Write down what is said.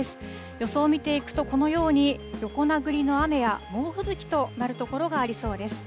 予想見ていくと、このように横殴りの雨や猛吹雪となる所がありそうです。